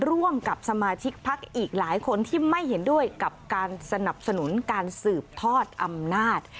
ร่วมกับสมาชิกพักอีกหลายคนที่ไม่เห็นด้วยกับการสนับสนุนการสืบทอดอำนาจ